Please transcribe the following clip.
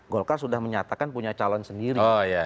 golkar sudah menyatakan punya calon sendiri